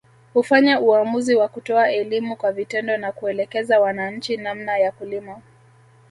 Hufanya uamuzi wa kutoa elimu kwa vitendo na kuelekeza wananchi namna ya kulima